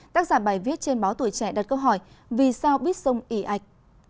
tác giả bài viết trên báo tuổi trẻ đặt câu hỏi vì sao biết sông ỉ ạch